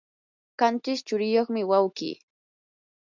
qanchis tsuriyuqmi wawqi.